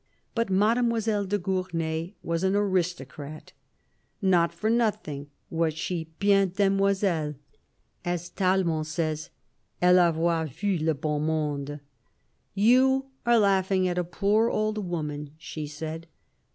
But Mademoiselle de Gournay was an aristo crat. Not for nothing was she bien demoiselle, as Tallemant says. " EUe avoit vu le beau monde." "' You are laughing at the poor old woman,' she said.